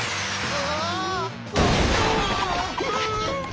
あ！